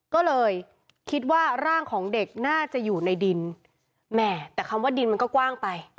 ก็เลยคิดว่าร่างของเด็กน่าจะอยู่ในดินแหมแต่คำว่าดินมันก็กว้างไป